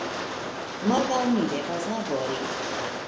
Morgaŭ mi devas labori"